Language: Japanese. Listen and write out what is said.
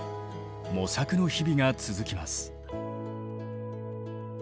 模索の日々が続きます。